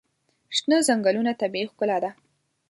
شنه ځنګلونه طبیعي ښکلا ده.